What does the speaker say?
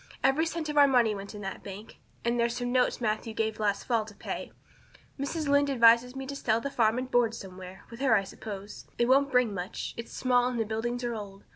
Every cent of our money went in that bank; and there's some notes Matthew gave last fall to pay. Mrs. Lynde advises me to sell the farm and board somewhere with her I suppose. It won't bring much it's small and the buildings are old.